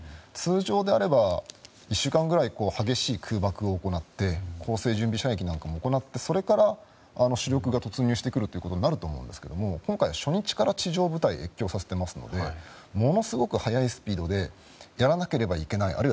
通常であれば１週間ぐらい激しい空爆を行って攻勢準備射撃なんかも行ってそれから主力が突入してくることになると思うんですが今回、初日から地上部隊へ越境させていますのでものすごく早いスピードでやらなければいけない。